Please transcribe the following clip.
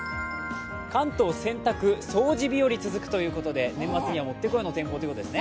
関東、洗濯、掃除日和続くということで年末にはもってこいの天候ということですね。